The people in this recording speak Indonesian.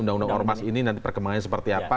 undang undang ormas ini nanti perkembangannya seperti apa